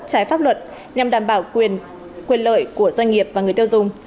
trái pháp luận nhằm đảm bảo quyền lợi của doanh nghiệp và người tiêu dùng